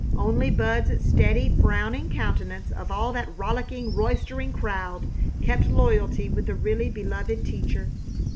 Only Bud's steady, frowning countenance of all that rollicking, roistering crowd kept loyalty with the really beloved teacher.